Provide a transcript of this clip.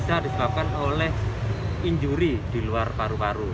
bisa disebabkan oleh injuri di luar paru paru